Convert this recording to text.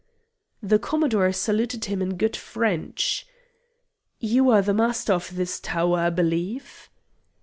The Commodore saluted him in good French: "You are the Master of this tower, I believe?"